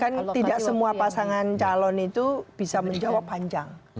kan tidak semua pasangan calon itu bisa menjawab panjang